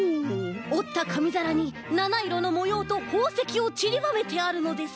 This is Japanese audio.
おったかみざらに７いろのもようとほうせきをちりばめてあるのです。